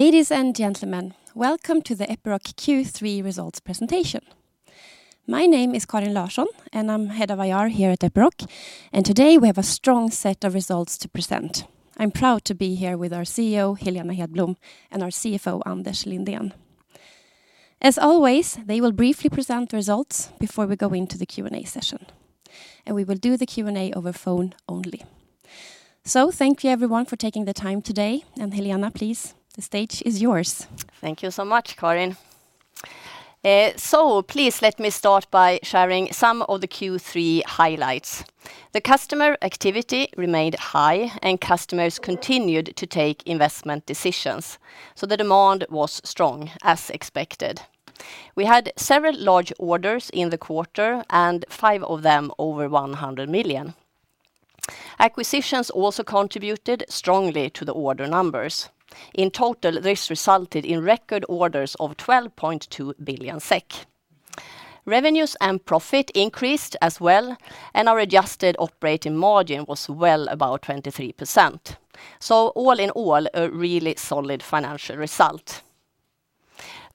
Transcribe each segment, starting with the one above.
Ladies and gentlemen, welcome to the Epiroc Q3 Results Presentation. My name is Karin Larsson, I'm head of IR here at Epiroc, today we have a strong set of results to present. I'm proud to be here with our CEO, Helena Hedblom, and our CFO, Anders Lindén. As always, they will briefly present the results before we go into the Q&A session. We will do the Q&A over phone only. Thank you everyone for taking the time today. Helena please, the stage is yours. Thank you so much, Karin. Please let me start by sharing some of the Q3 highlights. The customer activity remained high, and customers continued to take investment decisions, the demand was strong as expected. We had several large orders in the quarter, five of them over 100 million. Acquisitions also contributed strongly to the order numbers. In total, this resulted in record orders of 12.2 billion SEK. Revenues and profit increased as well, our adjusted operating margin was well above 23%. All in all, a really solid financial result.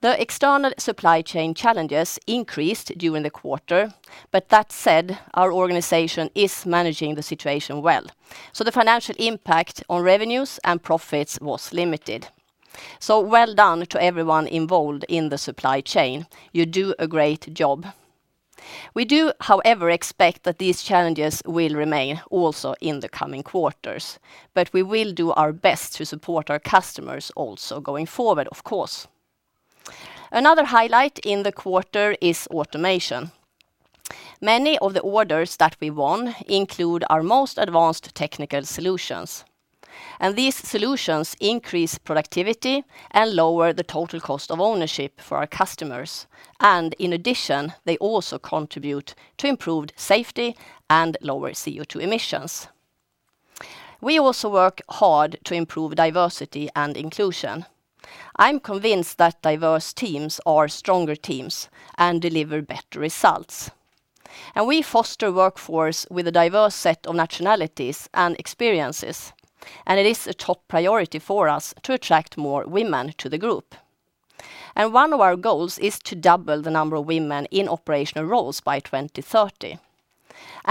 The external supply chain challenges increased during the quarter, that said, our organization is managing the situation well. The financial impact on revenues and profits was limited. Well done to everyone involved in the supply chain. You do a great job. We do, however, expect that these challenges will remain also in the coming quarters. We will do our best to support our customers also going forward, of course. Another highlight in the quarter is automation. Many of the orders that we won include our most advanced technical solutions, and these solutions increase productivity and lower the total cost of ownership for our customers. In addition, they also contribute to improved safety and lower CO2 emissions. We also work hard to improve diversity and inclusion. I'm convinced that diverse teams are stronger teams and deliver better results. We foster a workforce with a diverse set of nationalities and experiences, and it is a top priority for us to attract more women to the group. One of our goals is to double the number of women in operational roles by 2030.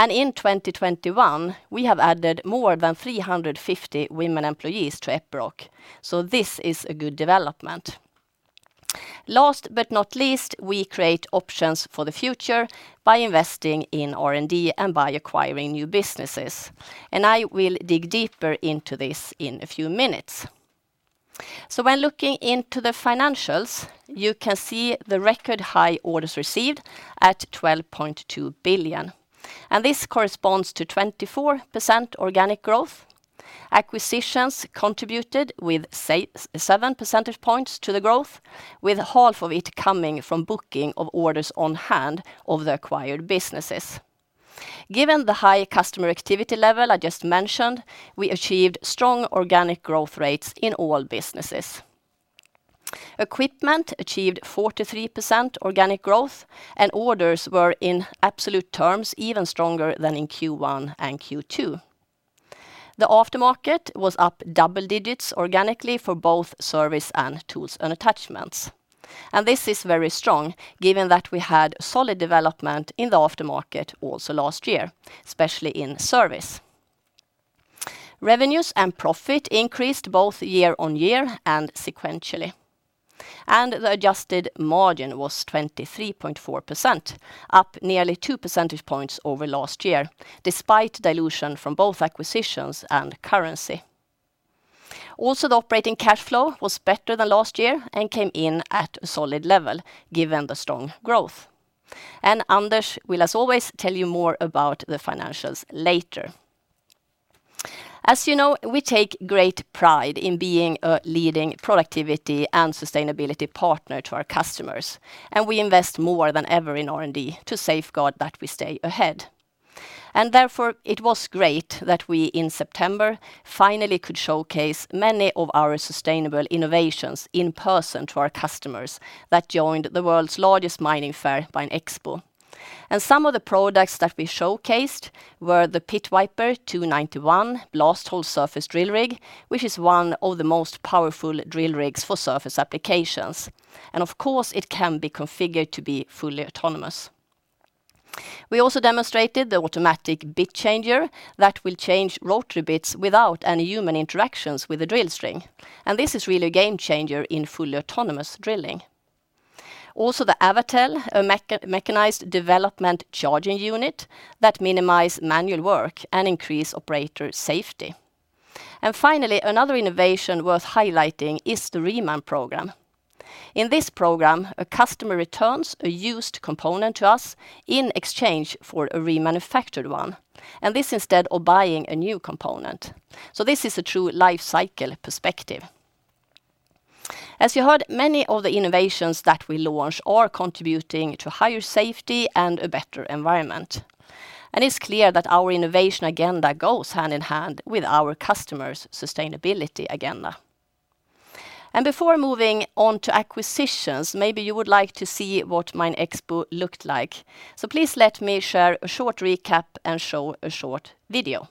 In 2021, we have added more than 350 women employees to Epiroc, so this is a good development. Last but not least, we create options for the future by investing in R&D and by acquiring new businesses. I will dig deeper into this in a few minutes. When looking into the financials, you can see the record high orders received at SEK 12.2 billion, and this corresponds to 24% organic growth. Acquisitions contributed with 7 percentage points to the growth, with half of it coming from booking of orders on hand of the acquired businesses. Given the high customer activity level I just mentioned, we achieved strong organic growth rates in all businesses. Equipment achieved 43% organic growth, and orders were, in absolute terms, even stronger than in Q1 and Q2. The aftermarket was up double digits organically for both service and tools & attachments. This is very strong given that we had solid development in the aftermarket also last year, especially in service. Revenues and profit increased both year-on-year and sequentially. The adjusted margin was 23.4%, up nearly 2 percentage points over last year, despite dilution from both acquisitions and currency. Also, the operating cash flow was better than last year and came in at a solid level given the strong growth. Anders will, as always, tell you more about the financials later. As you know, we take great pride in being a leading productivity and sustainability partner to our customers, and we invest more than ever in R&D to safeguard that we stay ahead. Therefore, it was great that we, in September, finally could showcase many of our sustainable innovations in person to our customers that joined the world's largest MINExpo. Some of the products that we showcased were the Pit Viper 291 blasthole surface drill rig, which is one of the most powerful drill rigs for surface applications. Of course, it can be configured to be fully autonomous. We also demonstrated the automatic bit changer that will change rotary bits without any human interactions with the drill string, and this is really a game changer in fully autonomous drilling. Also, the Avatel, a mechanized development charging unit that minimize manual work and increase operator safety. Finally, another innovation worth highlighting is the Reman Program. In this program, a customer returns a used component to us in exchange for a remanufactured one, and this instead of buying a new component. This is a true life cycle perspective. As you heard, many of the innovations that we launch are contributing to higher safety and a better environment. It's clear that our innovation agenda goes hand in hand with our customers' sustainability agenda. Before moving on to acquisitions, maybe you would like to see what MINExpo looked like. Please let me share a short recap and show a short video.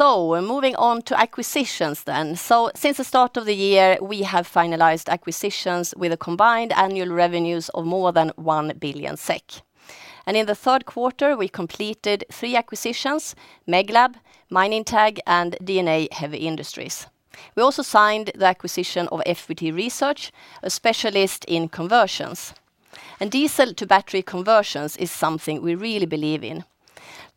Moving on to acquisitions then. Since the start of the year, we have finalized acquisitions with a combined annual revenues of more than 1 billion SEK. In the third quarter, we completed three acquisitions, Meglab, Mining Tag, and DandA Heavy Industries. We also signed the acquisition of FVT Research, a specialist in conversions. Diesel to battery conversions is something we really believe in.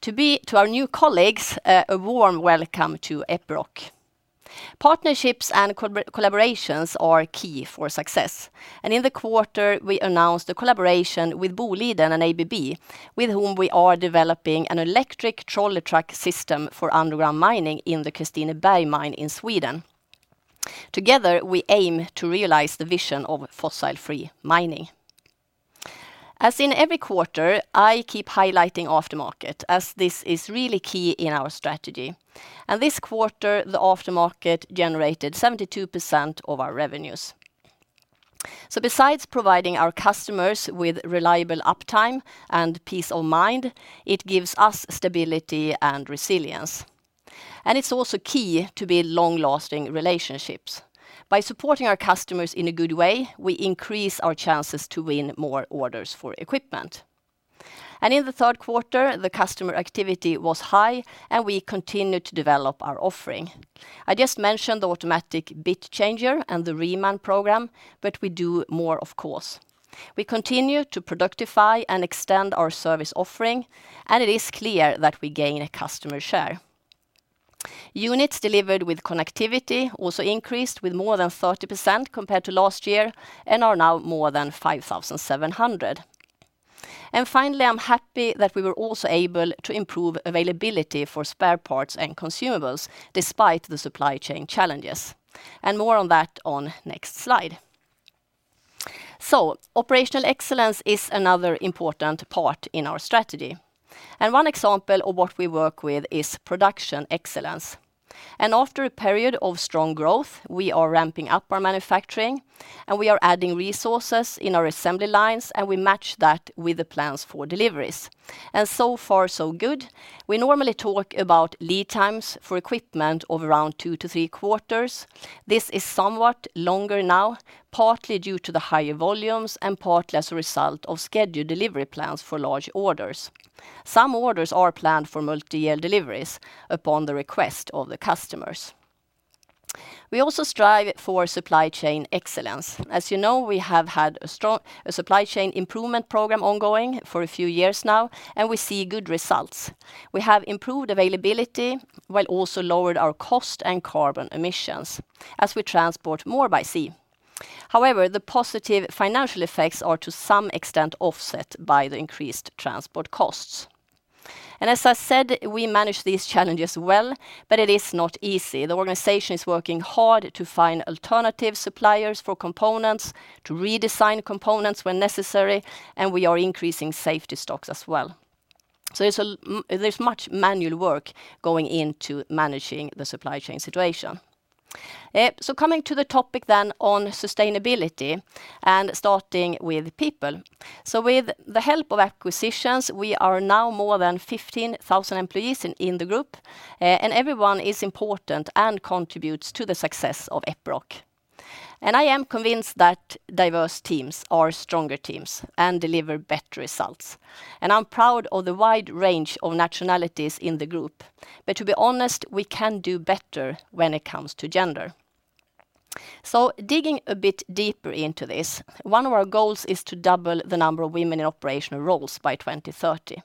To our new colleagues, a warm welcome to Epiroc. Partnerships and collaborations are key for success. In the quarter, we announced a collaboration with Boliden and ABB, with whom we are developing an electric trolley truck system for underground mining in the Kristineberg mine in Sweden. Together, we aim to realize the vision of fossil-free mining. As in every quarter, I keep highlighting aftermarket as this is really key in our strategy. This quarter, the aftermarket generated 72% of our revenues. Besides providing our customers with reliable uptime and peace of mind, it gives us stability and resilience. It's also key to build long-lasting relationships. By supporting our customers in a good way, we increase our chances to win more orders for equipment. In the third quarter, the customer activity was high, and we continued to develop our offering. I just mentioned the automatic bit changer and the Reman Program, but we do more, of course. We continue to productify and extend our service offering. It is clear that we gain a customer share. Units delivered with connectivity also increased with more than 30% compared to last year and are now more than 5,700. Finally, I'm happy that we were also able to improve availability for spare parts and consumables despite the supply chain challenges. More on that on next slide. Operational excellence is another important part in our strategy. One example of what we work with is production excellence. After a period of strong growth, we are ramping up our manufacturing, and we are adding resources in our assembly lines, and we match that with the plans for deliveries. So far so good. We normally talk about lead times for equipment of around two to three quarters. This is somewhat longer now, partly due to the higher volumes and partly as a result of scheduled delivery plans for large orders. Some orders are planned for multi-year deliveries upon the request of the customers. We also strive for supply chain excellence. As you know, we have had a supply chain improvement program ongoing for a few years now, and we see good results. We have improved availability while also lowered our cost and carbon emissions as we transport more by sea. The positive financial effects are to some extent offset by the increased transport costs. As I said, we manage these challenges well, but it is not easy. The organization is working hard to find alternative suppliers for components, to redesign components when necessary, and we are increasing safety stocks as well. There's much manual work going into managing the supply chain situation. Coming to the topic then on sustainability and starting with people. With the help of acquisitions, we are now more than 15,000 employees in the group, and everyone is important and contributes to the success of Epiroc. I am convinced that diverse teams are stronger teams and deliver better results. I'm proud of the wide range of nationalities in the group. To be honest, we can do better when it comes to gender. Digging a bit deeper into this, one of our goals is to double the number of women in operational roles by 2030.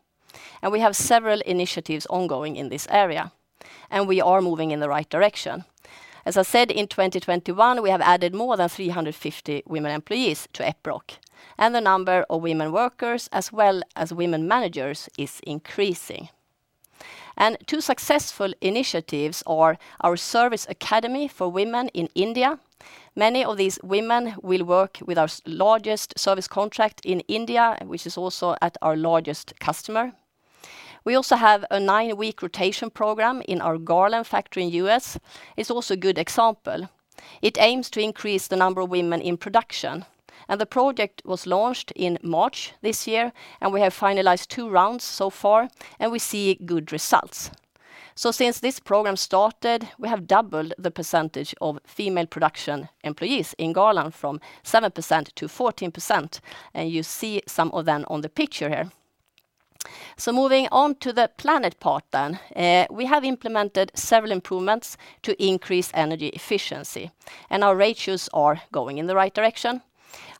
We have several initiatives ongoing in this area, and we are moving in the right direction. As I said, in 2021, we have added more than 350 women employees to Epiroc, and the number of women workers as well as women managers is increasing. Two successful initiatives are our Service Academy for women in India. Many of these women will work with our largest service contract in India, which is also at our largest customer. We also have a nine-week rotation program in our Garland factory in the U.S. It's also a good example. It aims to increase the number of women in production. The project was launched in March this year, and we have finalized two rounds so far, and we see good results. Since this program started, we have doubled the percentage of female production employees in Garland from 7% to 14%, and you see some of them on the picture here. Moving on to the planet part then. We have implemented several improvements to increase energy efficiency, and our ratios are going in the right direction.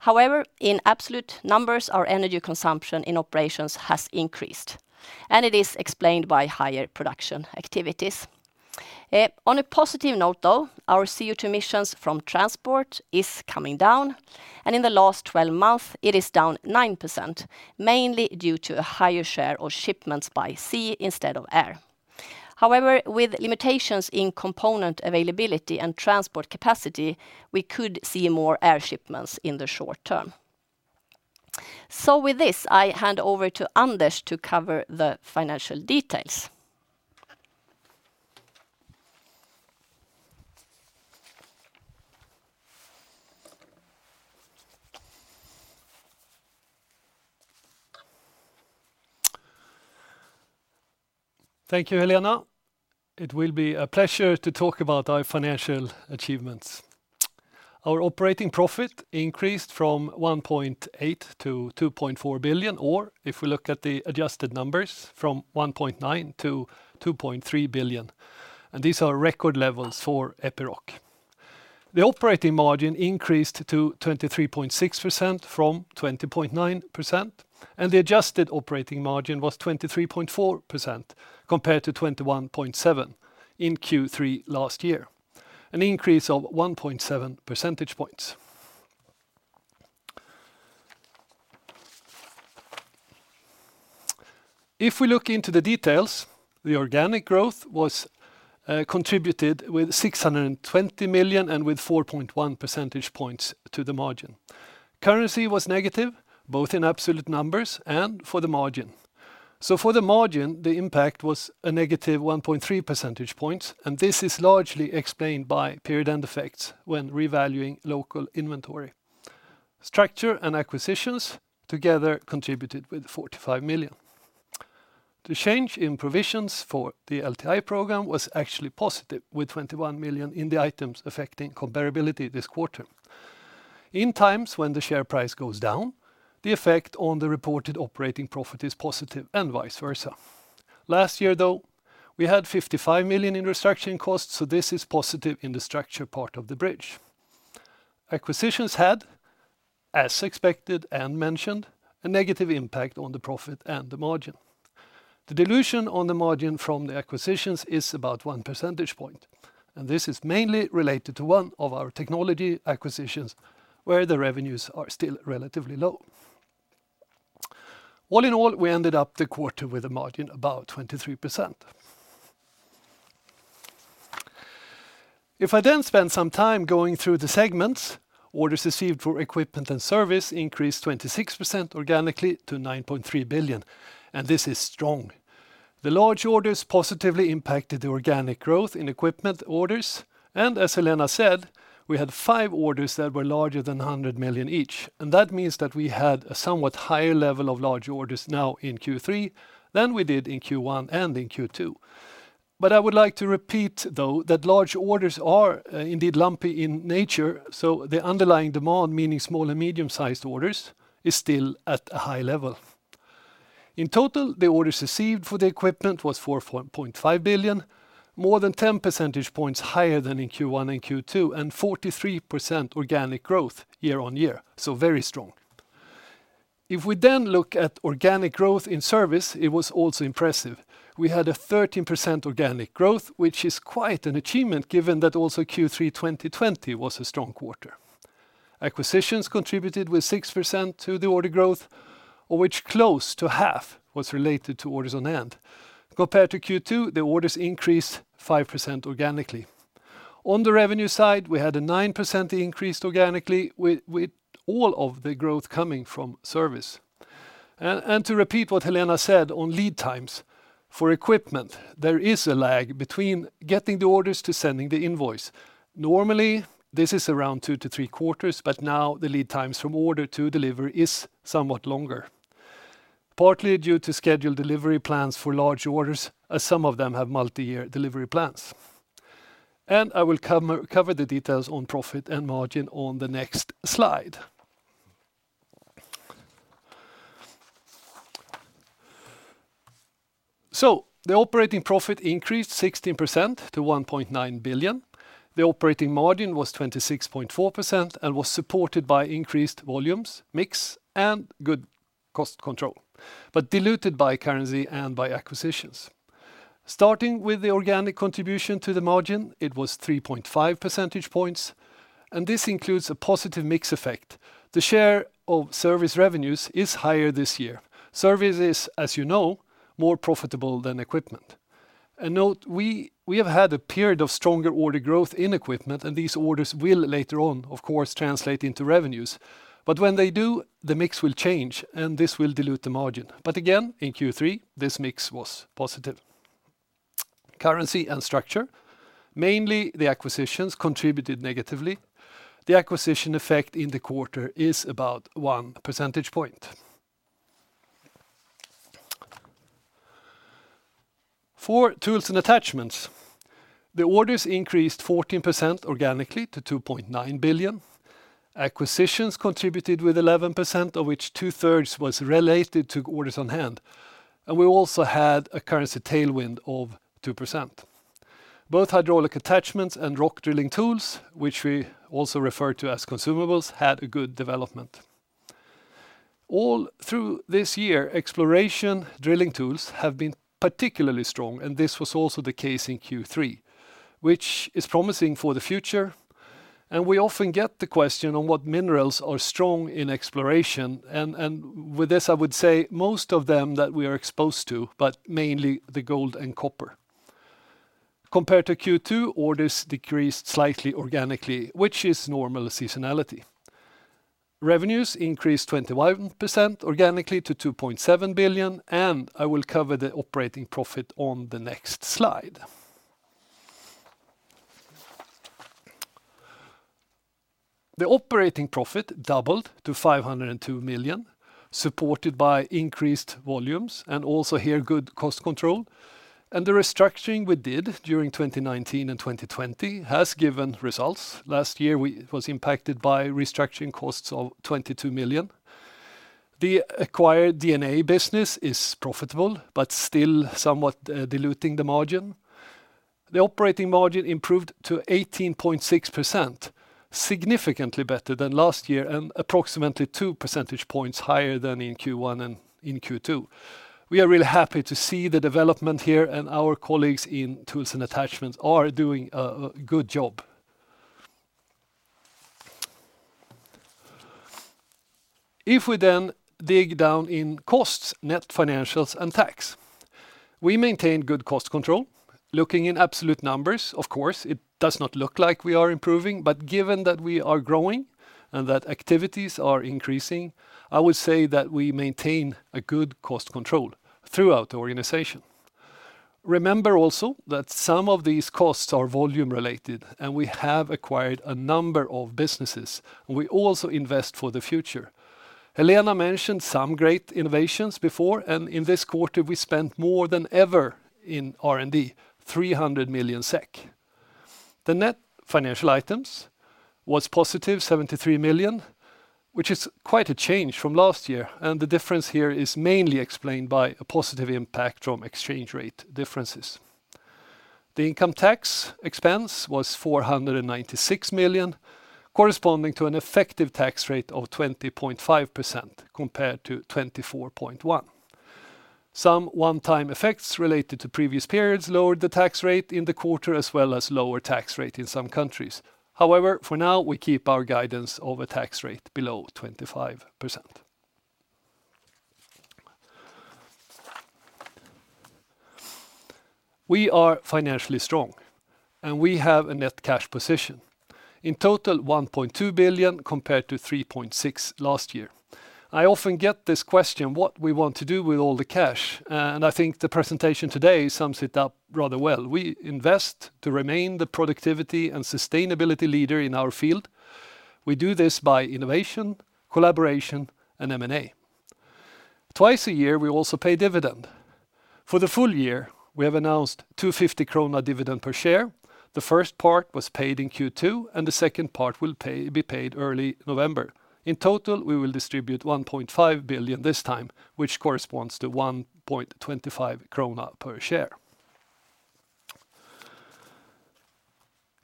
However, in absolute numbers, our energy consumption in operations has increased, and it is explained by higher production activities. On a positive note, though, our CO2 emissions from transport is coming down, and in the last 12 months, it is down 9%, mainly due to a higher share of shipments by sea instead of air. However, with limitations in component availability and transport capacity, we could see more air shipments in the short term. With this, I hand over to Anders to cover the financial details. Thank you, Helena. It will be a pleasure to talk about our financial achievements. Our operating profit increased from 1.8 billion to 2.4 billion, or if we look at the adjusted numbers, from 1.9 billion to 2.3 billion. These are record levels for Epiroc. The operating margin increased to 23.6% from 20.9%. The adjusted operating margin was 23.4% compared to 21.7% in Q3 last year, an increase of 1.7 percentage points. If we look into the details, the organic growth was contributed with 620 million and with 4.1 percentage points to the margin. Currency was negative, both in absolute numbers and for the margin. For the margin, the impact was a -1.3 percentage points. This is largely explained by period-end effects when revaluing local inventory. Structure and acquisitions together contributed with 45 million. The change in provisions for the LTI program was actually positive, with 21 million in the items affecting comparability this quarter. In times when the share price goes down, the effect on the reported operating profit is positive and vice versa. Last year, though, we had 55 million in restructuring costs, so this is positive in the structure part of the bridge. Acquisitions had, as expected and mentioned, a negative impact on the profit and the margin. The dilution on the margin from the acquisitions is about one percentage point, and this is mainly related to one of our technology acquisitions where the revenues are still relatively low. All in all, we ended up the quarter with a margin above 23%. If I spend some time going through the segments, orders received for equipment and service increased 26% organically to 9.3 billion, and this is strong. The large orders positively impacted the organic growth in equipment orders. As Helena said, we had five orders that were larger than 100 million each. That means that we had a somewhat higher level of large orders now in Q3 than we did in Q1 and in Q2. I would like to repeat, though, that large orders are indeed lumpy in nature. The underlying demand, meaning small- and medium-sized orders, is still at a high level. In total, the orders received for the equipment was 4.5 billion, more than 10 percentage points higher than in Q1 and Q2, 43% organic growth year-on-year, very strong. If we look at organic growth in service, it was also impressive. We had a 13% organic growth, which is quite an achievement given that also Q3 2020 was a strong quarter. Acquisitions contributed with 6% to the order growth, of which close to half was related to orders on hand. Compared to Q2, the orders increased 5% organically. On the revenue side, we had a 9% increase organically, with all of the growth coming from service. To repeat what Helena said on lead times, for equipment, there is a lag between getting the orders to sending the invoice. Normally, this is around two to three quarters, but now the lead times from order to delivery is somewhat longer, partly due to scheduled delivery plans for large orders, as some of them have multi-year delivery plans. I will cover the details on profit and margin on the next slide. The operating profit increased 16% to 1.9 billion. The operating margin was 26.4% and was supported by increased volumes, mix, and good cost control, but diluted by currency and by acquisitions. Starting with the organic contribution to the margin, it was 3.5 percentage points, and this includes a positive mix effect. The share of service revenues is higher this year. Service is, as you know, more profitable than equipment. Note, we have had a period of stronger order growth in equipment, and these orders will later on, of course, translate into revenues. When they do, the mix will change, and this will dilute the margin. Again, in Q3, this mix was positive. Currency and structure. Mainly, the acquisitions contributed negatively. The acquisition effect in the quarter is about 1 percentage point. For tools & attachments, the orders increased 14% organically to 2.9 billion. Acquisitions contributed with 11%, of which 2/3 was related to orders on hand. We also had a currency tailwind of 2%. Both hydraulic attachments and rock drilling tools, which we also refer to as consumables, had a good development. All through this year, exploration drilling tools have been particularly strong, and this was also the case in Q3, which is promising for the future. We often get the question on what minerals are strong in exploration. With this, I would say most of them that we are exposed to, but mainly the gold and copper. Compared to Q2, orders decreased slightly organically, which is normal seasonality. Revenues increased 21% organically to 2.7 billion, and I will cover the operating profit on the next slide. The operating profit doubled to 502 million, supported by increased volumes and also here good cost control. The restructuring we did during 2019 and 2020 has given results. Last year, we was impacted by restructuring costs of 22 million. The acquired DandA business is profitable but still somewhat diluting the margin. The operating margin improved to 18.6%, significantly better than last year and approximately 2 percentage points higher than in Q1 and in Q2. We are really happy to see the development here, and our colleagues in tools & attachments are doing a good job. We then dig down in costs, net financials, and tax, we maintain good cost control. Looking in absolute numbers, of course, it does not look like we are improving, but given that we are growing and that activities are increasing, I would say that we maintain a good cost control throughout the organization. Remember also that some of these costs are volume related, and we have acquired a number of businesses, and we also invest for the future. Helena mentioned some great innovations before. In this quarter we spent more than ever in R&D, 300 million SEK. The net financial items was positive 73 million, which is quite a change from last year. The difference here is mainly explained by a positive impact from exchange rate differences. The income tax expense was 496 million, corresponding to an effective tax rate of 20.5% compared to 24.1%. Some one-time effects related to previous periods lowered the tax rate in the quarter, as well as lower tax rate in some countries. For now, we keep our guidance of a tax rate below 25%. We are financially strong. We have a net cash position, in total 1.2 billion, compared to 3.6 billion last year. I often get this question, what we want to do with all the cash. I think the presentation today sums it up rather well. We invest to remain the productivity and sustainability leader in our field. We do this by innovation, collaboration, and M&A. Twice a year, we also pay dividend. For the full year, we have announced 250 krona dividend per share. The first part was paid in Q2, and the second part will be paid early November. In total, we will distribute 1.5 billion this time, which corresponds to 1.25 krona per share.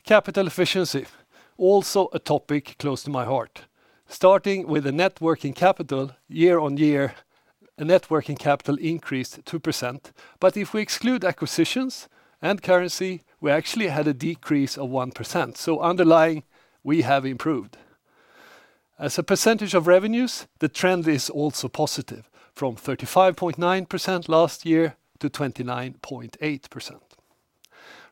Capital efficiency, also a topic close to my heart. Starting with the net working capital year-on-year, net working capital increased 2%. If we exclude acquisitions and currency, we actually had a decrease of 1%. Underlying, we have improved. As a percentage of revenues, the trend is also positive, from 35.9% last year to 29.8%.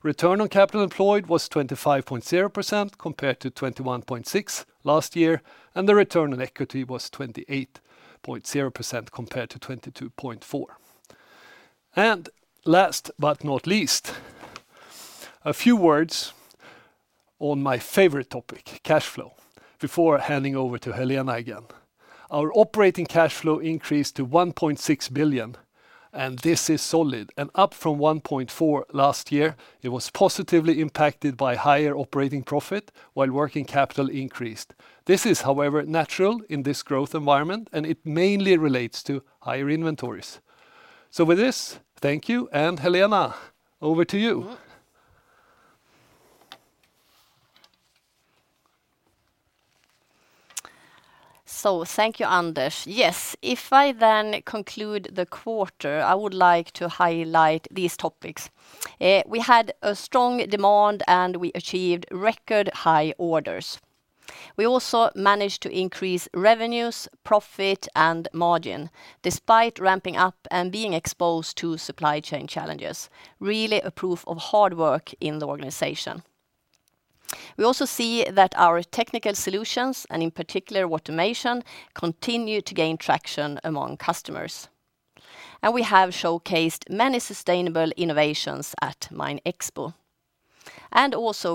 Return on capital employed was 25.0% compared to 21.6% last year, and the return on equity was 28.0% compared to 22.4%. Last but not least, a few words on my favorite topic, cash flow, before handing over to Helena again. Our operating cash flow increased to 1.6 billion. This is solid and up from 1.4 billion last year. It was positively impacted by higher operating profit while working capital increased. This is, however, natural in this growth environment. It mainly relates to higher inventories. With this, thank you, and Helena, over to you. Thank you, Anders. Yes. If I conclude the quarter, I would like to highlight these topics. We had a strong demand, and we achieved record-high orders. We also managed to increase revenues, profit, and margin despite ramping up and being exposed to supply chain challenges. Really a proof of hard work in the organization. We also see that our technical solutions, and in particular automation, continue to gain traction among customers. We have showcased many sustainable innovations at MINExpo.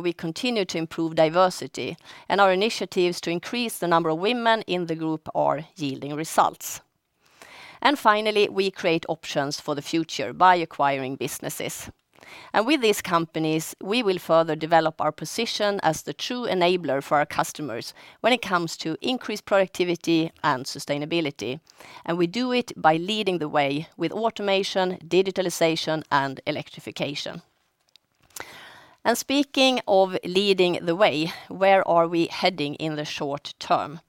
We continue to improve diversity, and our initiatives to increase the number of women in the group are yielding results. Finally, we create options for the future by acquiring businesses. With these companies, we will further develop our position as the true enabler for our customers when it comes to increased productivity and sustainability. We do it by leading the way with automation, digitalization, and electrification. Speaking of leading the way, where are we heading in the short term?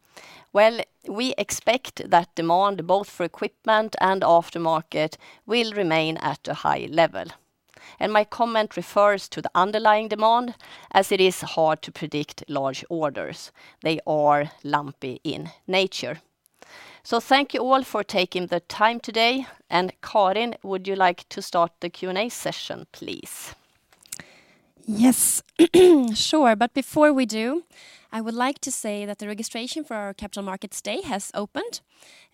Well, we expect that demand both for equipment and aftermarket will remain at a high level. My comment refers to the underlying demand, as it is hard to predict large orders. They are lumpy in nature. Thank you all for taking the time today, and Karin, would you like to start the Q&A session, please? Yes. Sure. Before we do, I would like to say that the registration for our Capital Markets Day has opened.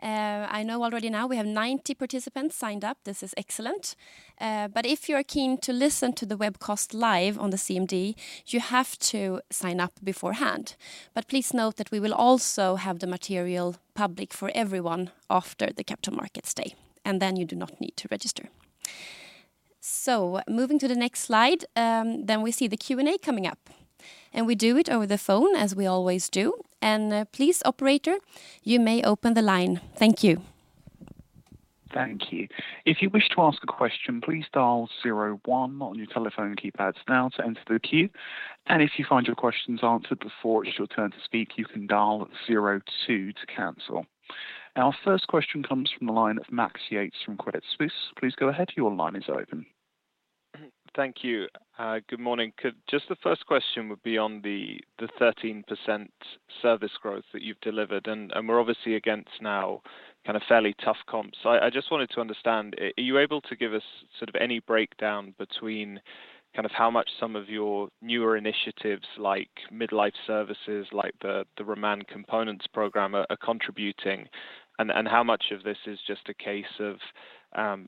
I know already now we have 90 participants signed up. This is excellent. If you're keen to listen to the webcast live on the CMD, you have to sign up beforehand. Please note that we will also have the material public for everyone after the Capital Markets Day, and then you do not need to register. Moving to the next slide, then we see the Q&A coming up. We do it over the phone as we always do. Please, operator, you may open the line. Thank you. Thank you. If you wish to ask a question, please dial zero one on your telephone keypads now to enter the queue. If you find your questions answered before it's your turn to speak, you can dial zero two to cancel. Our first question comes from the line of Max Yates from Credit Suisse. Please go ahead. Your line is open. Thank you. Good morning. The first question would be on the 13% service growth that you've delivered. We're obviously against now kind of fairly tough comps. I just wanted to understand, are you able to give us any breakdown between how much some of your newer initiatives like mid-life services, like the Reman components Program are contributing, and how much of this is just a case of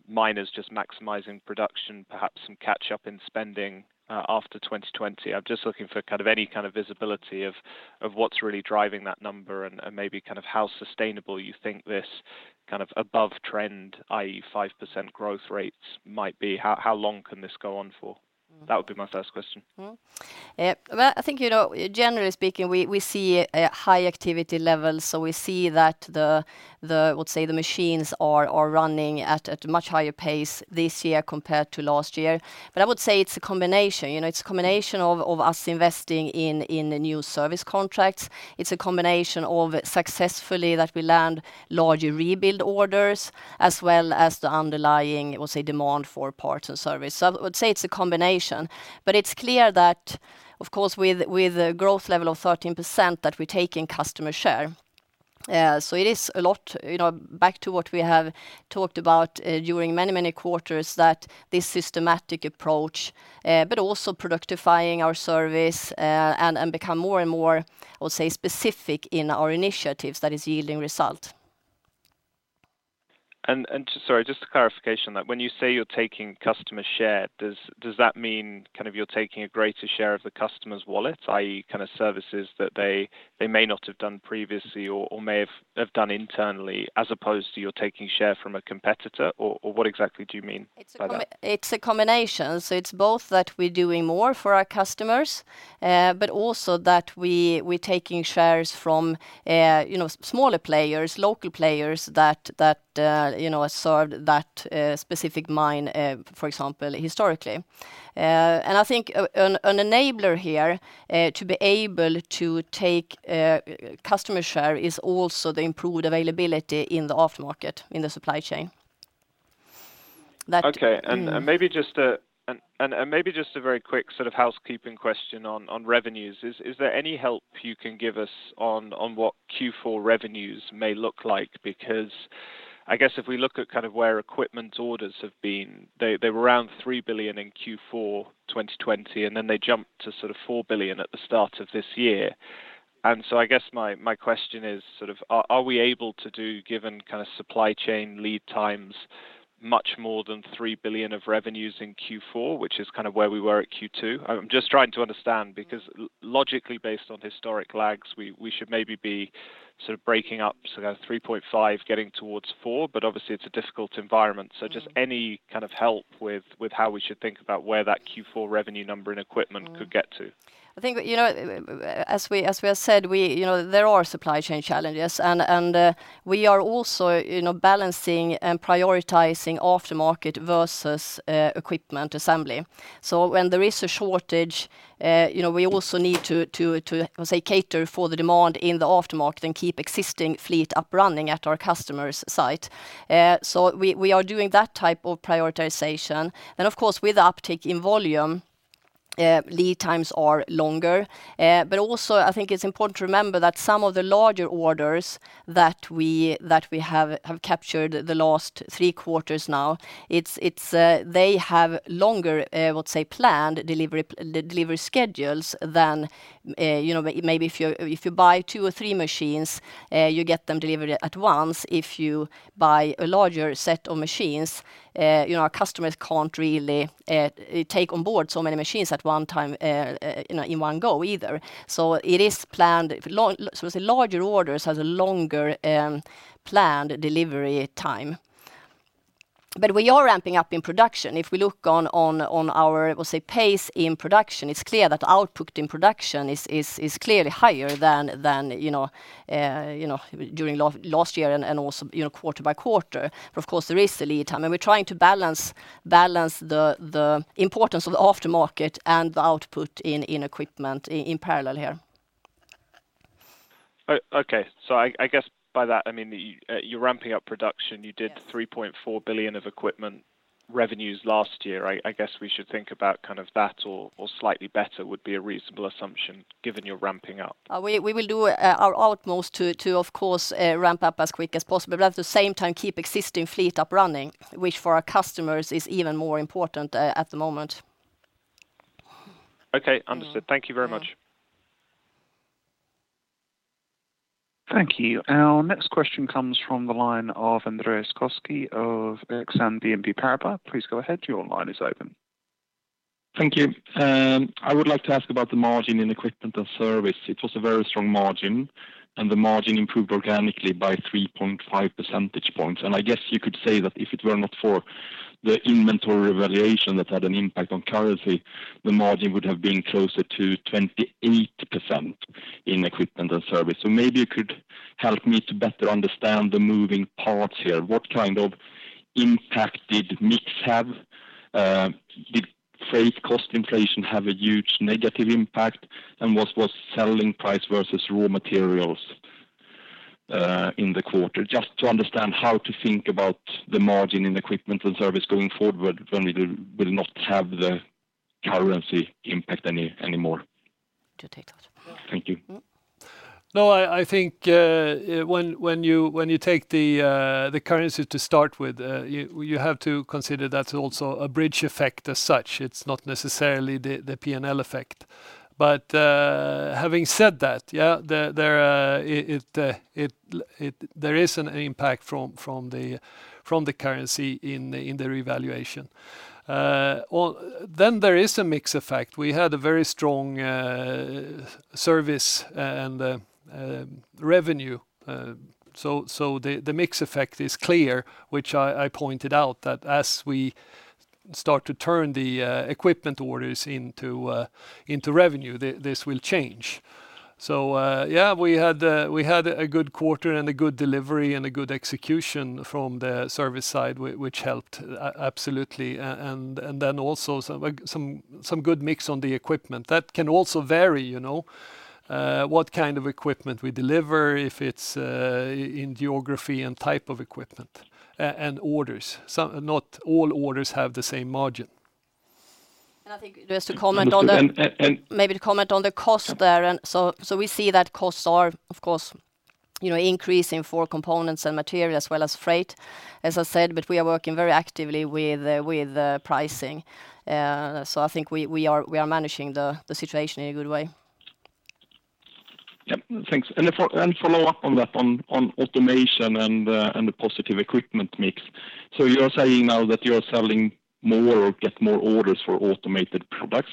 miners just maximizing production, perhaps some catch-up in spending after 2020? I'm just looking for any kind of visibility of what's really driving that number and maybe how sustainable you think this kind of above trend, i.e. 5% growth rates might be. How long can this go on for? That would be my first question. Well, I think, generally speaking, we see a high activity level. We see that the machines are running at a much higher pace this year compared to last year. I would say it's a combination of us investing in the new service contracts. It's a combination of successfully that we land larger rebuild orders, as well as the underlying demand for parts and service. I would say it's a combination, but it's clear that, of course, with a growth level of 13%, that we're taking customer share. It is a lot. Back to what we have talked about during many quarters, that this systematic approach, but also productifying our service, and become more and more specific in our initiatives that is yielding result. Sorry, just a clarification that when you say you're taking customer share, does that mean you're taking a greater share of the customer's wallet, i.e. services that they may not have done previously or may have done internally, as opposed to you're taking share from a competitor, or what exactly do you mean by that? It's a combination. It's both that we're doing more for our customers, but also that we're taking shares from smaller players, local players that served that specific mine, for example, historically. I think an enabler here to be able to take customer share is also the improved availability in the aftermarket, in the supply chain. Okay. Maybe just a very quick sort of housekeeping question on revenues. Is there any help you can give us on what Q4 revenues may look like? I guess if we look at where equipment orders have been, they were around 3 billion in Q4 2020, then they jumped to 4 billion at the start of this year. I guess my question is: are we able to do, given supply chain lead times, much more than 3 billion of revenues in Q4, which is kind of where we were at Q2? I'm just trying to understand, because logically based on historic lags, we should maybe be breaking up 3.5 billion, getting towards 4 billion, but obviously it's a difficult environment. Just any kind of help with how we should think about where that Q4 revenue number and equipment could get to. I think as we have said, there are supply chain challenges, and we are also balancing and prioritizing aftermarket versus equipment assembly. When there is a shortage, we also need to cater for the demand in the aftermarket and keep existing fleet up running at our customer's site. We are doing that type of prioritization. Of course, with the uptick in volume. Lead times are longer. Also, I think it's important to remember that some of the larger orders that we have captured the last three quarters now, they have longer, I would say, planned delivery schedules than maybe if you buy two or three machines, you get them delivered at once. If you buy a larger set of machines, our customers can't really take on board so many machines at one time in one go either. It is planned. It's larger orders has a longer planned delivery time. We are ramping up in production. If we look on our, we'll say, pace in production, it's clear that output in production is clearly higher than during last year and also quarter by quarter. Of course, there is the lead time, and we're trying to balance the importance of the aftermarket and the output in equipment in parallel here. Okay. I guess by that, I mean that you're ramping up production. Yes. You did 3.4 billion of equipment revenues last year. I guess we should think about that or slightly better would be a reasonable assumption given you're ramping up. We will do our utmost to, of course, ramp up as quick as possible, but at the same time, keep existing fleet up running, which for our customers is even more important at the moment. Okay. Understood. Thank you very much. Yeah. Thank you. Our next question comes from the line of Andreas Koski of Exane BNP Paribas. Please go ahead. Your line is open. Thank you. I would like to ask about the margin in equipment and service. It was a very strong margin, and the margin improved organically by 3.5 percentage points. I guess you could say that if it were not for the inventory valuation that had an impact on currency, the margin would have been closer to 28% in equipment and service. Maybe you could help me to better understand the moving parts here. What kind of impact did mix have? Did freight cost inflation have a huge negative impact? What was selling price versus raw materials in the quarter? Just to understand how to think about the margin in equipment and service going forward when we will not have the currency impact anymore. Do you want to take that? Yeah. Thank you. No, I think when you take the currency to start with, you have to consider that's also a bridge effect as such. It's not necessarily the P&L effect. Having said that, yeah, there is an impact from the currency in the revaluation. There is a mix effect. We had a very strong service and revenue. The mix effect is clear, which I pointed out that as we start to turn the equipment orders into revenue, this will change. Yeah, we had a good quarter and a good delivery and a good execution from the service side, which helped absolutely. Also some good mix on the equipment. That can also vary, what kind of equipment we deliver, if it's in geography and type of equipment, and orders. Not all orders have the same margin. I think just to comment on. And- Maybe to comment on the cost there. We see that costs are, of course, increasing for components and material as well as freight, as I said, but we are working very actively with pricing. I think we are managing the situation in a good way. Yep. Thanks. Follow up on that, on automation and the positive equipment mix. You're saying now that you're selling more or get more orders for automated products,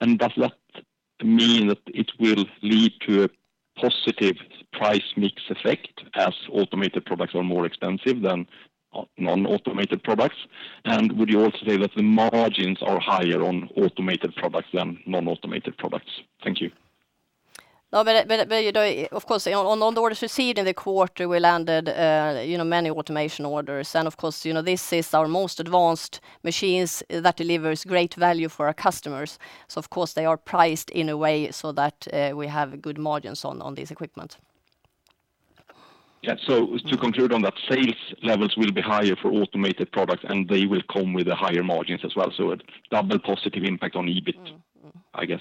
and does that mean that it will lead to a positive price mix effect as automated products are more expensive than non-automated products? Would you also say that the margins are higher on automated products than non-automated products? Thank you. Of course, on all the orders received in the quarter, we landed many automation orders. Of course, this is our most advanced machines that delivers great value for our customers. Of course, they are priced in a way so that we have good margins on this equipment. To conclude on that, sales levels will be higher for automated products, and they will come with higher margins as well. A double positive impact on EBIT, I guess.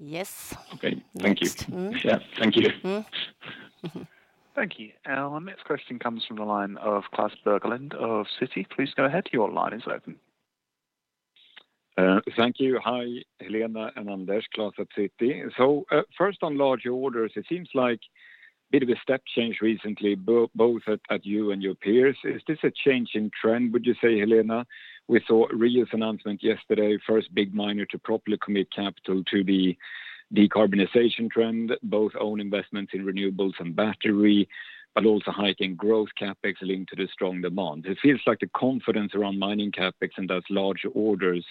Yes. Okay. Thank you. Yeah. Thank you. Thank you. Our next question comes from the line of Klas Bergelind of Citi. Please go ahead. Thank you. Hi, Helena and Anders Lindén. Klas at Citi. First on larger orders, it seems like a bit of a step change recently, both at you and your peers. Is this a change in trend, would you say, Helena? We saw Rio's announcement yesterday, first big miner to properly commit capital to the decarbonization trend, both own investments in renewables and battery, but also hiking growth CapEx linked to the strong demand. It feels like the confidence around mining CapEx and thus larger orders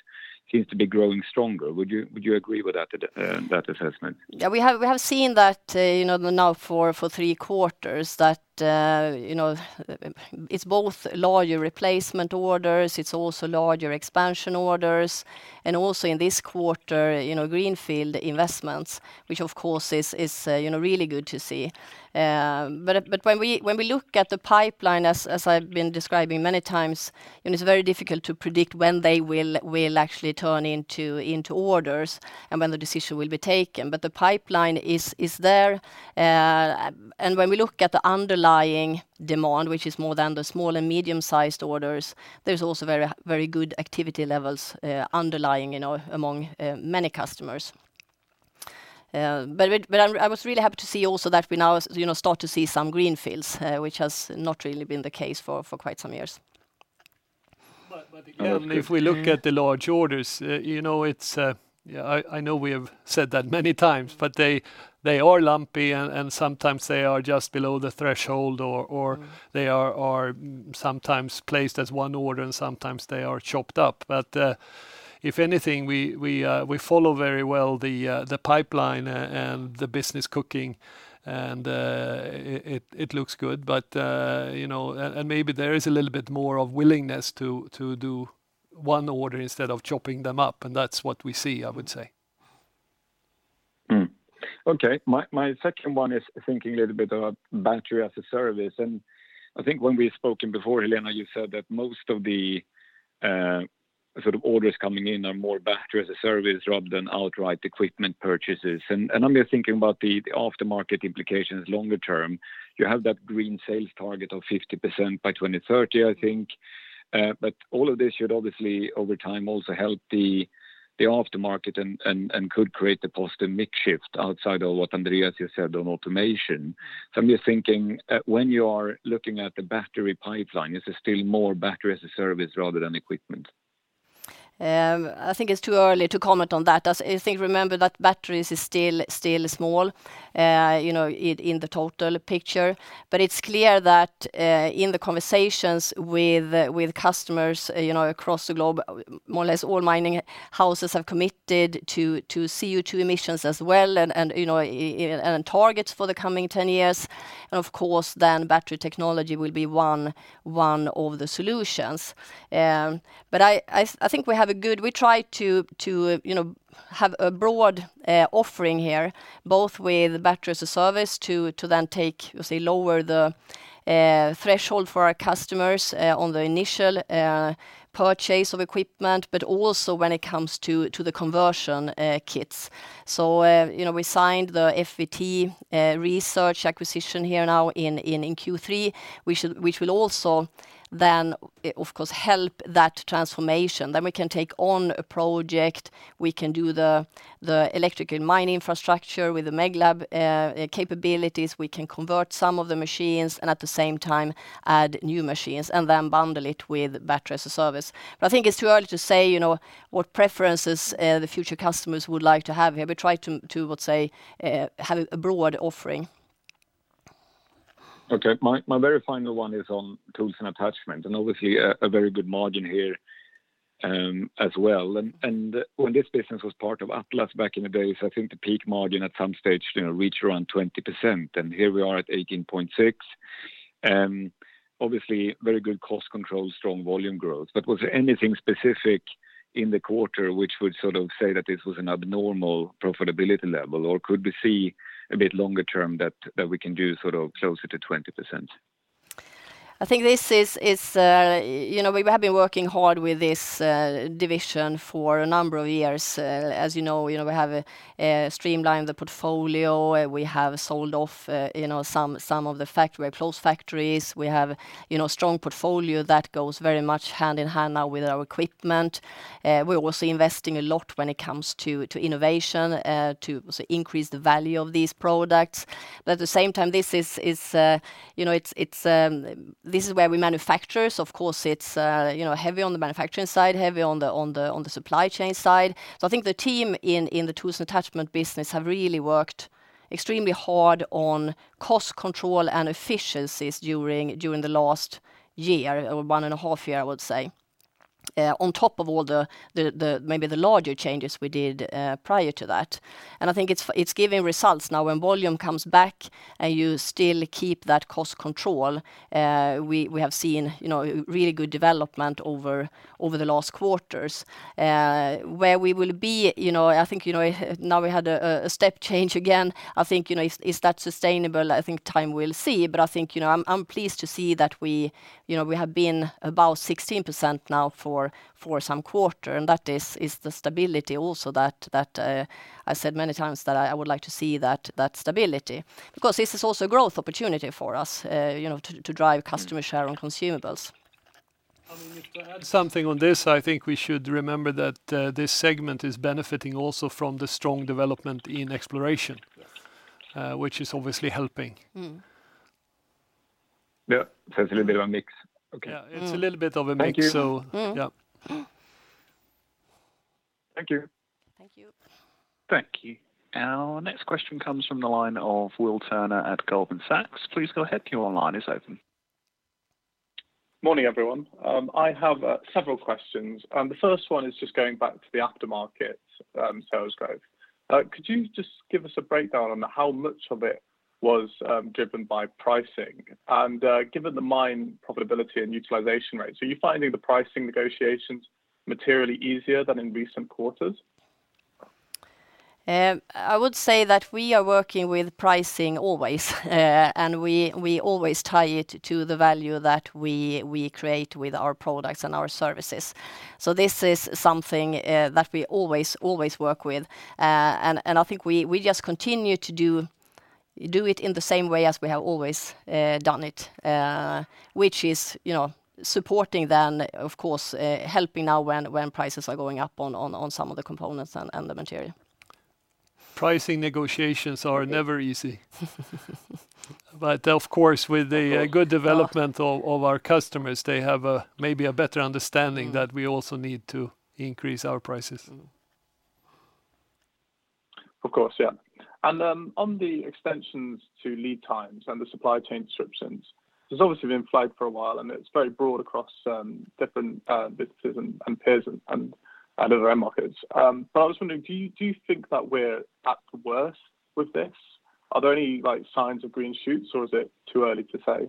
seems to be growing stronger. Would you agree with that assessment? Yeah. We have seen that now for three quarters that it's both larger replacement orders, it's also larger expansion orders. Also in this quarter, greenfield investments, which of course is really good to see. When we look at the pipeline, as I've been describing many times, it's very difficult to predict when they will actually turn into orders and when the decision will be taken. The pipeline is there. When we look at the underlying demand, which is more than the small and medium-sized orders, there's also very good activity levels underlying among many customers. I was really happy to see also that we now start to see some greenfields, which has not really been the case for quite some years. Again, if we look at the large orders, I know we have said that many times, but they are lumpy and sometimes they are just below the threshold or they are sometimes placed as one order and sometimes they are chopped up. If anything, we follow very well the pipeline and the business cooking and it looks good. Maybe there is a little bit more of willingness to do one order instead of chopping them up, and that's what we see, I would say. Okay. My second one is thinking a little bit about battery as a service, and I think when we've spoken before, Helena, you said that most of the sort of orders coming in are more battery as a service rather than outright equipment purchases. I'm just thinking about the aftermarket implications longer term. You have that green sales target of 50% by 2030, I think. All of this should obviously, over time, also help the aftermarket and could create the post and mix shift outside of what Andreas just said on automation. I'm just thinking, when you are looking at the battery pipeline, is it still more battery as a service rather than equipment? I think it's too early to comment on that. I think, remember that batteries is still small in the total picture. It's clear that in the conversations with customers across the globe, more or less all mining houses have committed to CO2 emissions as well, and targets for the coming 10 years. Of course then battery technology will be one of the solutions. I think we try to have a broad offering here, both with battery as a service to then take, lower the threshold for our customers on the initial purchase of equipment, but also when it comes to the conversion kits. We signed the FVT Research acquisition here now in Q3, which will also then of course help that transformation. We can take on a project, we can do the electrical mining infrastructure with the Meglab capabilities. We can convert some of the machines and at the same time add new machines and then bundle it with battery as a service. I think it's too early to say what preferences the future customers would like to have here. We try to, I would say, have a broad offering. Okay. My very final one is on tools and attachment, obviously a very good margin here as well. When this business was part of Atlas back in the days, I think the peak margin at some stage reached around 20%, and here we are at 18.6%. Obviously very good cost control, strong volume growth, was there anything specific in the quarter which would sort of say that this was an abnormal profitability level, or could we see a bit longer term that we can do sort of closer to 20%? I think we have been working hard with this division for a number of years. As you know, we have streamlined the portfolio. We have sold off some of the factory, closed factories. We have strong portfolio that goes very much hand in hand now with our equipment. We're also investing a lot when it comes to innovation to increase the value of these products. At the same time, this is where we manufacture, so of course it's heavy on the manufacturing side, heavy on the supply chain side. I think the team in the tools and attachment business have really worked extremely hard on cost control and efficiencies during the last year, or one and a half year, I would say, on top of all maybe the larger changes we did prior to that. I think it's giving results now when volume comes back and you still keep that cost control. We have seen really good development over the last quarters. I think now we had a step change again. I think is that sustainable? I think time will see, but I think I'm pleased to see that we have been above 16% now for some quarter, and that is the stability also that I said many times that I would like to see that stability. Of course, this is also growth opportunity for us to drive customer share on consumables. I mean, if I add something on this, I think we should remember that this segment is benefiting also from the strong development in exploration. Yes. Which is obviously helping. Yeah. It's a little bit of a mix. Okay. Yeah. It's a little bit of a mix. Thank you. Yeah. Thank you. Thank you. Thank you. Our next question comes from the line of William Turner at Goldman Sachs. Please go ahead. Your line is open. Morning, everyone. I have several questions, and the first one is just going back to the aftermarket sales growth. Could you just give us a breakdown on how much of it was driven by pricing? Given the mine profitability and utilization rates, are you finding the pricing negotiations materially easier than in recent quarters? I would say that we are working with pricing always, and we always tie it to the value that we create with our products and our services. This is something that we always work with. I think we just continue to do it in the same way as we have always done it, which is supporting then, of course, helping now when prices are going up on some of the components and the material. Pricing negotiations are never easy. Of course, with the good development of our customers, they have maybe a better understanding that we also need to increase our prices. Of course, yeah. On the extensions to lead times and the supply chain disruptions, it's obviously been flagged for a while, and it's very broad across different businesses and peers other end markets. I was wondering, do you think that we're at the worst with this? Are there any signs of green shoots, or is it too early to say?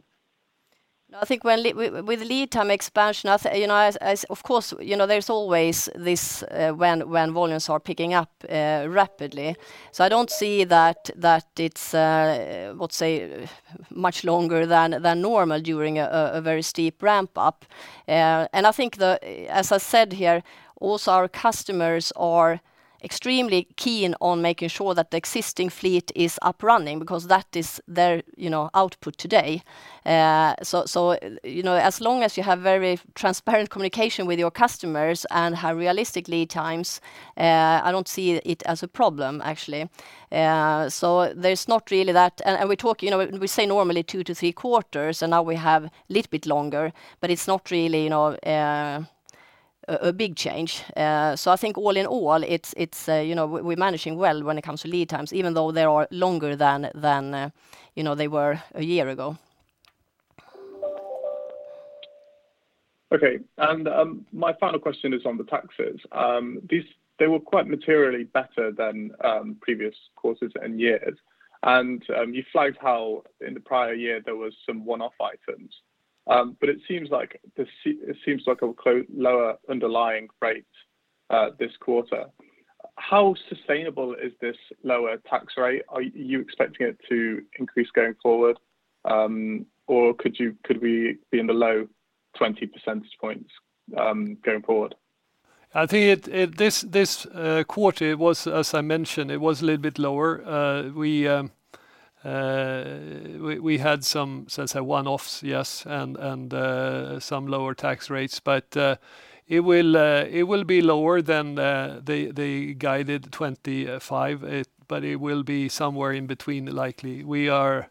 No, I think with lead time expansion, of course, there's always this when volumes are picking up rapidly. I don't see that it's, let's say, much longer than normal during a very steep ramp-up. I think, as I said here, also our customers are extremely keen on making sure that the existing fleet is up running, because that is their output today. As long as you have very transparent communication with your customers and have realistic lead times, I don't see it as a problem, actually. There's not really that. We say normally two to three quarters, and now we have a little bit longer, but it's not really a big change. I think all in all, we're managing well when it comes to lead times, even though they are longer than they were one year ago. Okay. My final question is on the taxes. They were quite materially better than previous quarters and years. You flagged how in the prior year there was some one-off items. It seems like a lower underlying rate this quarter. How sustainable is this lower tax rate? Are you expecting it to increase going forward? Could we be in the low 20 percentage points going forward? I think this quarter, as I mentioned, it was a little bit lower. We had some one-offs, yes, and some lower tax rates, but it will be lower than the guided 25%, but it will be somewhere in between, likely. We are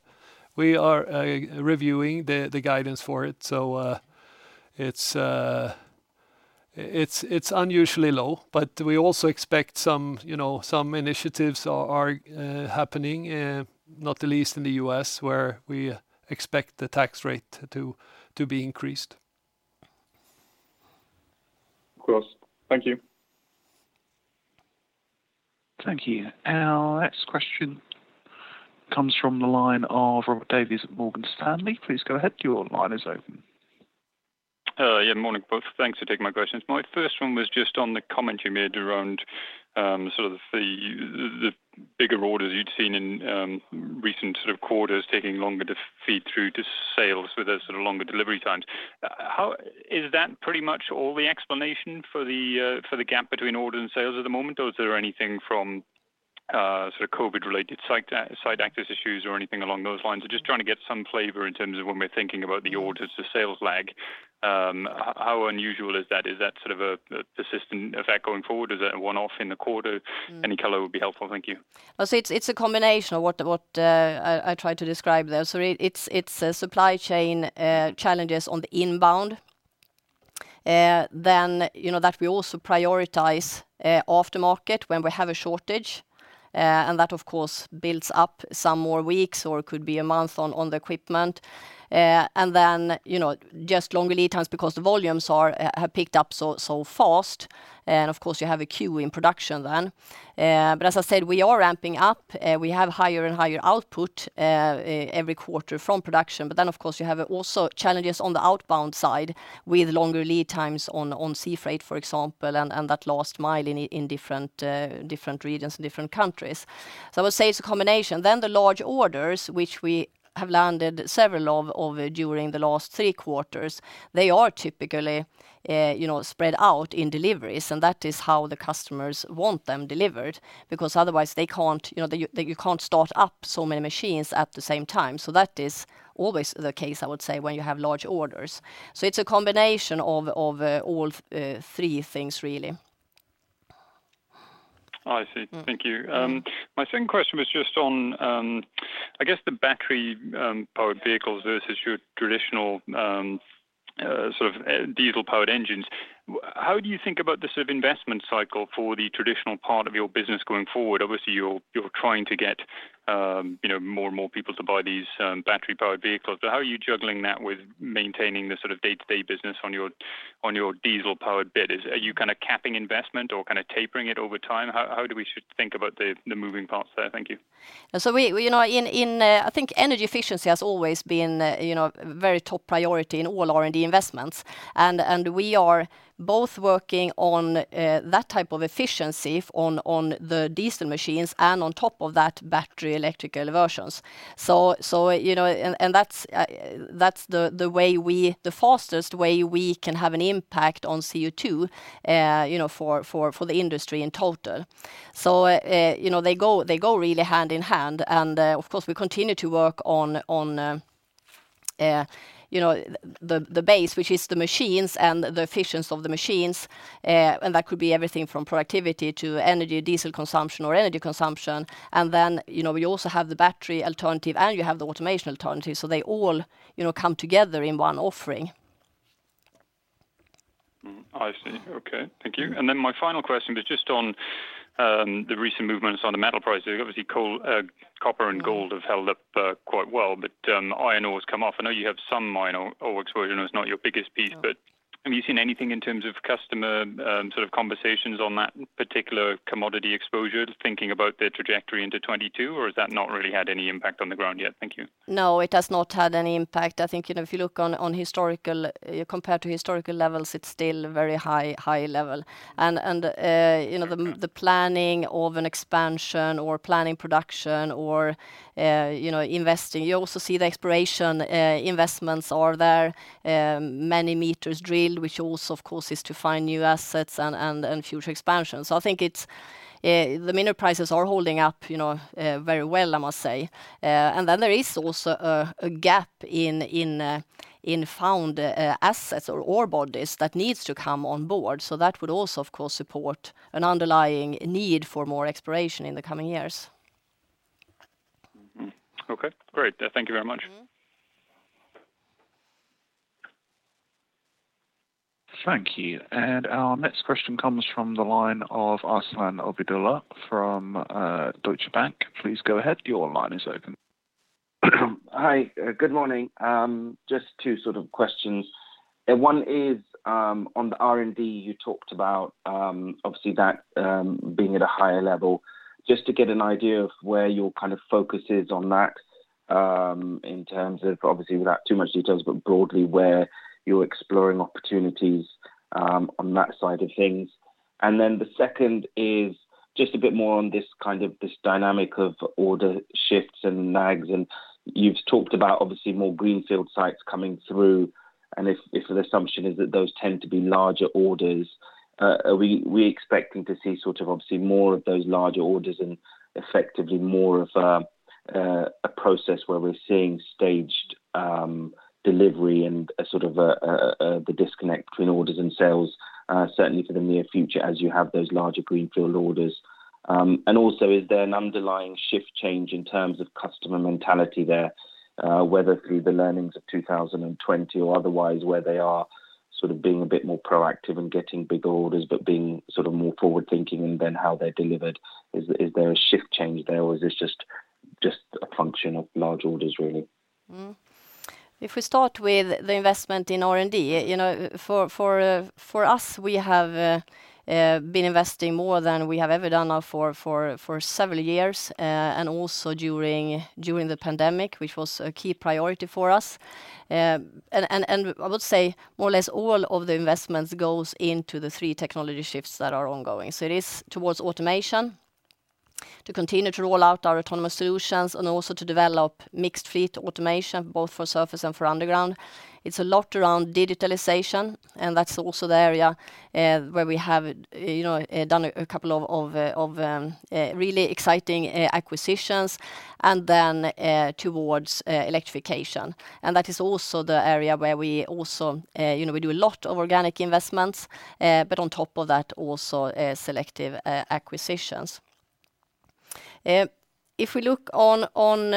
reviewing the guidance for it. It's unusually low, but we also expect some initiatives are happening, not the least in the U.S., where we expect the tax rate to be increased. Of course. Thank you. Thank you. Our next question comes from the line of Robert Davies at Morgan Stanley. Please go ahead. Morning, both. Thanks for taking my questions. My first one was just on the comment you made around the bigger orders you'd seen in recent quarters taking longer to feed through to sales with those longer delivery times. Is that pretty much all the explanation for the gap between orders and sales at the moment, or is there anything from COVID-related site access issues or anything along those lines? I'm just trying to get some flavor in terms of when we're thinking about the orders to sales lag. How unusual is that? Is that a persistent effect going forward? Is that a one-off in the quarter? Any color would be helpful. Thank you. It's a combination of what I tried to describe there. It's supply chain challenges on the inbound. Then, that we also prioritize aftermarket when we have a shortage. That, of course, builds up some more weeks or could be a month on the equipment. Just longer lead times because the volumes have picked up so fast. Of course, you have a queue in production then. As I said, we are ramping up. We have higher and higher output every quarter from production. Of course, you have also challenges on the outbound side with longer lead times on sea freight, for example, and that last mile in different regions and different countries. I would say it's a combination. The large orders, which we have landed several of over during the last three quarters, they are typically spread out in deliveries, and that is how the customers want them delivered, because otherwise you can't start up so many machines at the same time. That is always the case, I would say, when you have large orders. It's a combination of all three things, really. I see. Thank you. My second question was just on, I guess the battery-powered vehicles versus your traditional diesel-powered engines. How do you think about the investment cycle for the traditional part of your business going forward? Obviously, you're trying to get more and more people to buy these battery-powered vehicles. How are you juggling that with maintaining the day-to-day business on your diesel-powered bit? Are you capping investment or tapering it over time? How should we think about the moving parts there? Thank you. I think energy efficiency has always been very top priority in all R&D investments. We are both working on that type of efficiency on the diesel machines and on top of that, battery electrical versions. That's the fastest way we can have an impact on CO2 for the industry in total. They go really hand in hand. Of course, we continue to work on the base, which is the machines and the efficiency of the machines, and that could be everything from productivity to energy, diesel consumption or energy consumption. We also have the battery alternative, and you have the automation alternative. They all come together in one offering. I see. Okay. Thank you. My final question was just on the recent movements on the metal prices. Obviously, copper and gold have held up quite well, but iron ore has come off. I know you have some iron ore exposure. I know it's not your biggest piece, but have you seen anything in terms of customer conversations on that particular commodity exposure, thinking about their trajectory into 2022? Has that not really had any impact on the ground yet? Thank you. No, it has not had any impact. I think, if you look compared to historical levels, it is still very high level. The planning of an expansion or planning production or investing, you also see the exploration investments are there, many meters drilled, which also, of course, is to find new assets and future expansion. I think the mineral prices are holding up very well, I must say. There is also a gap in found assets or ore bodies that needs to come on board. That would also, of course, support an underlying need for more exploration in the coming years. Okay, great. Thank you very much. Thank you. Our next question comes from the line of Arsalan Obaidullah from Deutsche Bank. Please go ahead. Your line is open. Hi, good morning. Just two questions. One is on the R&D you talked about, obviously that being at a higher level. Just to get an idea of where your focus is on that, in terms of obviously without too much details, but broadly where you're exploring opportunities on that side of things. Then the second is just a bit more on this dynamic of order shifts and lags. You've talked about, obviously, more greenfield sites coming through, and if an assumption is that those tend to be larger orders. Are we expecting to see obviously more of those larger orders and effectively more of a process where we're seeing staged delivery and the disconnect between orders and sales, certainly for the near future as you have those larger greenfield orders? Also, is there an underlying shift change in terms of customer mentality there, whether through the learnings of 2020 or otherwise, where they are being a bit more proactive in getting big orders, but being more forward-thinking in then how they're delivered? Is there a shift change there, or is this just a function of large orders, really? If we start with the investment in R&D, for us, we have been investing more than we have ever done now for several years, and also during the pandemic, which was a key priority for us. I would say more or less all of the investments goes into the three technology shifts that are ongoing. It is towards automation, to continue to roll out our autonomous solutions and also to develop mixed fleet automation, both for surface and for underground. It's a lot around digitalization, and that's also the area where we have done a couple of really exciting acquisitions. Then towards electrification. That is also the area where we do a lot of organic investments. On top of that, also selective acquisitions. If we look on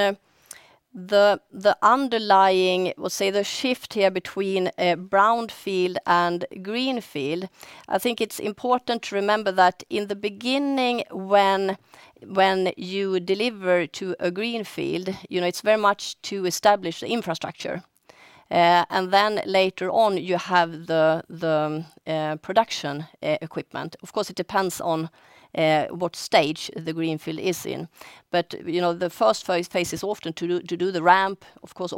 the underlying, we'll say the shift here between brownfield and greenfield, I think it's important to remember that in the beginning when you deliver to a greenfield, it's very much to establish the infrastructure. Later on, you have the production equipment. Of course, it depends on what stage the greenfield is in. The first phase is often to do the ramp. Of course,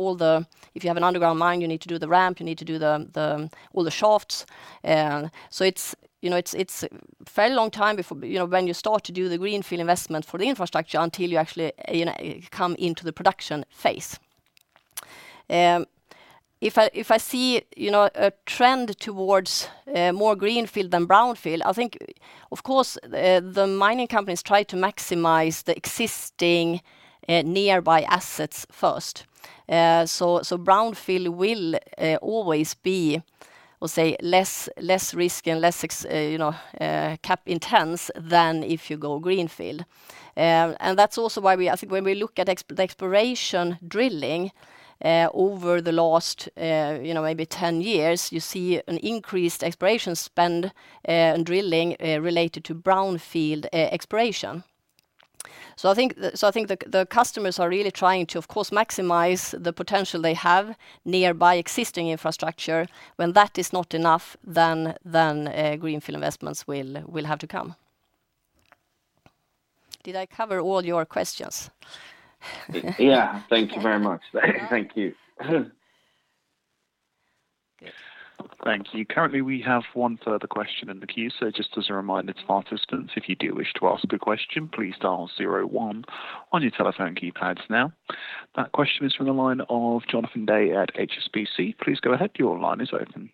if you have an underground mine, you need to do the ramp, you need to do all the shafts. It's fairly long time when you start to do the greenfield investment for the infrastructure until you actually come into the production phase. If I see a trend towards more greenfield than brownfield, I think, of course, the mining companies try to maximize the existing nearby assets first. Brownfield will always be, we'll say less risk and less CapEx intense than if you go greenfield. That's also why I think when we look at the exploration drilling over the last maybe 10 years, you see an increased exploration spend on drilling related to brownfield exploration. I think the customers are really trying to, of course, maximize the potential they have nearby existing infrastructure. When that is not enough, then greenfield investments will have to come. Did I cover all your questions? Yeah. Thank you very much. Thank you. Thank you. Currently, we have one further question in the queue. Just as a reminder to participants, if you do wish to ask a question, please dial zero one on your telephone keypads now. That question is from the line of Jonathan Day at HSBC. Please go ahead. Your line is open.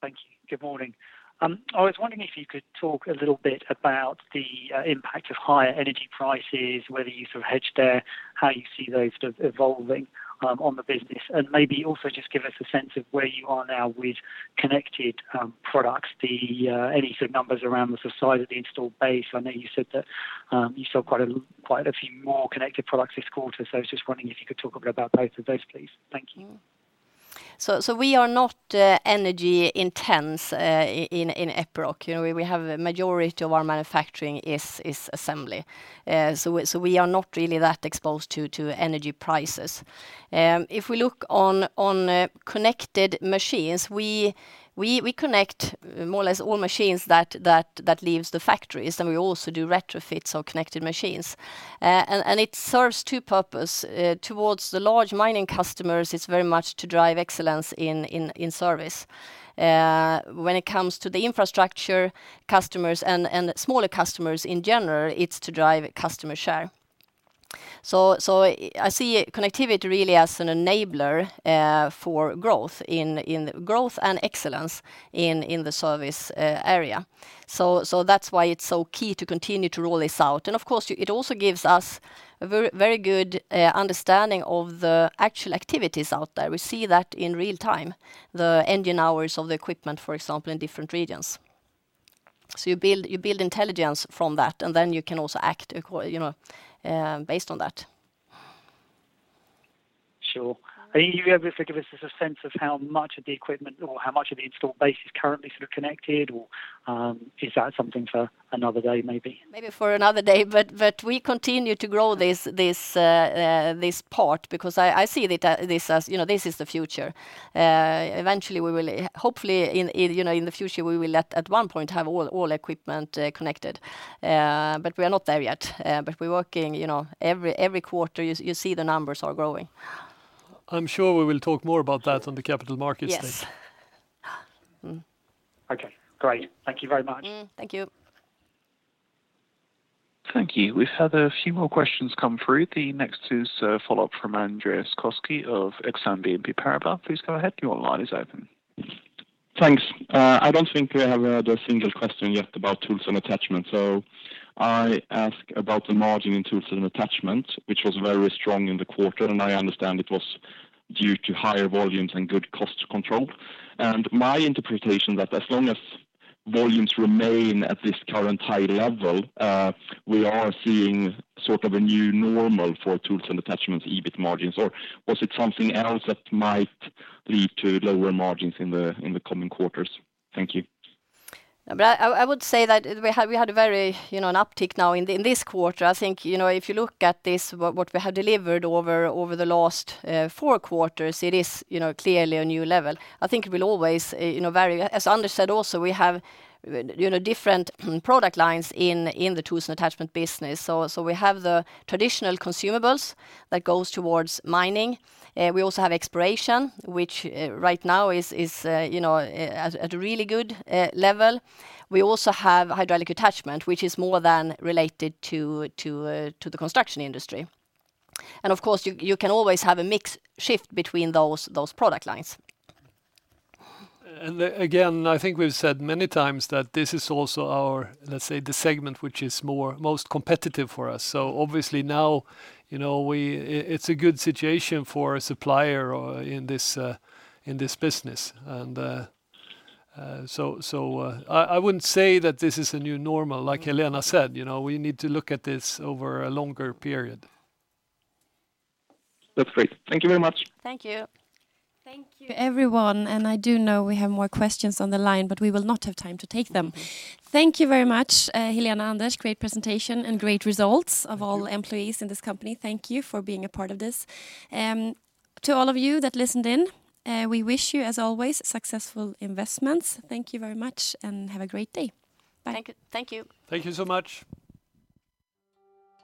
Thank you. Good morning. I was wondering if you could talk a little bit about the impact of higher energy prices, whether you hedged there, how you see those evolving on the business, and maybe also just give us a sense of where you are now with connected products, any numbers around the size of the installed base? I know you said that you saw quite a few more connected products this quarter, so I was just wondering if you could talk a bit about both of those, please? Thank you. We are not energy intense in Epiroc. A majority of our manufacturing is assembly. We are not really that exposed to energy prices. If we look on connected machines, we connect more or less all machines that leave the factories, and we also do retrofits of connected machines. It serves two purposes. Towards the large mining customers, it's very much to drive excellence in service. When it comes to the infrastructure customers and smaller customers in general, it's to drive customer share. I see connectivity really as an enabler for growth and excellence in the service area. That's why it's so key to continue to roll this out. Of course, it also gives us a very good understanding of the actual activities out there. We see that in real time, the engine hours of the equipment, for example, in different regions. You build intelligence from that, and then you can also act based on that. Sure. Are you able to give us a sense of how much of the equipment or how much of the installed base is currently connected, or is that something for another day, maybe? Maybe for another day. We continue to grow this part because I see this as the future. Hopefully, in the future, we will at one point have all equipment connected. We are not there yet. We're working. Every quarter, you see the numbers are growing. I'm sure we will talk more about that on the Capital Markets Day. Yes. Okay, great. Thank you very much. Thank you. Thank you. We've had a few more questions come through. The next is a follow-up from Andreas Koski of Exane BNP Paribas. Please go ahead. Your line is open. Thanks. I don't think we have had a single question yet about tools & attachments. I ask about the margin in tools & attachments, which was very strong in the quarter, and I understand it was due to higher volumes and good cost control. My interpretation that as long as volumes remain at this current high level, we are seeing a new normal for tools & attachments EBIT margins, or was it something else that might lead to lower margins in the coming quarters? Thank you. I would say that we had a very an uptick now in this quarter. I think, if you look at this, what we have delivered over the last four quarters, it is clearly a new level. I think it will always vary. As Anders said also, we have different product lines in the Tools & Attachment Business. We have the traditional consumables that goes towards mining. We also have exploration, which right now is at a really good level. We also have hydraulic attachment, which is more than related to the construction industry. Of course, you can always have a mix shift between those product lines. Again, I think we've said many times that this is also our, let's say, the segment which is most competitive for us. Obviously now, it's a good situation for a supplier in this business. I wouldn't say that this is a new normal. Like Helena said, we need to look at this over a longer period. That's great. Thank you very much. Thank you. Thank you, everyone. I do know we have more questions on the line, but we will not have time to take them. Thank you very much, Helena, Anders. Great presentation and great results of all employees in this company. Thank you for being a part of this. To all of you that listened in, we wish you, as always, successful investments. Thank you very much, and have a great day. Bye. Thank you. Thank you so much.